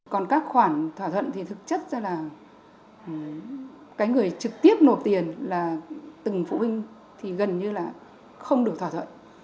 còn các khoản thỏa thuận thì thực chất ra là cái người trực tiếp nộp tiền là từng phụ huynh thì gần như là không được thỏa thuận